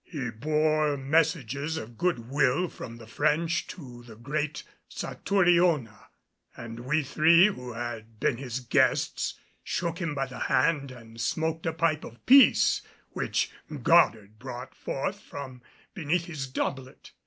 He bore messages of good will from the French to the great Satouriona, and we three who had been his guests shook him by the hand and smoked a pipe of peace, which Goddard brought forth from beneath his doublet.